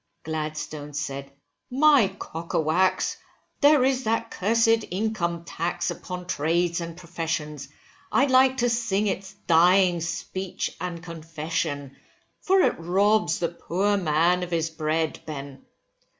Gladstone said, my Cockawax, there is that cursed income tax upon trades and professions, I'd like to sing its dying speech and confession, for it robs the poor man of his bread, Ben.